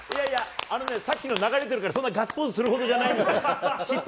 さっきのが流れているから、そんなガッツポーズするほどじゃないのよ。